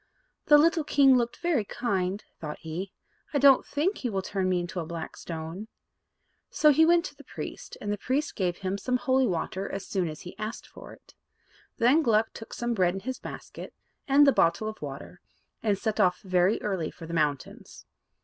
"The little king looked very kind," thought he. "I don't think he will turn me into a black stone." So he went to the priest, and the priest gave him some holy water as soon as he asked for it. Then Gluck took some bread in his basket, and the bottle of water, and set off very early for the mountains.